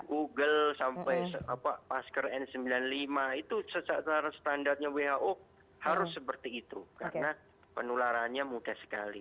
google sampai masker n sembilan puluh lima itu secara standarnya who harus seperti itu karena penularannya mudah sekali